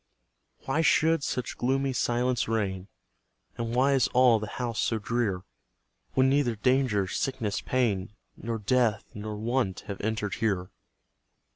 Why should such gloomy silence reign, And why is all the house so drear, When neither danger, sickness, pain, Nor death, nor want, have entered here?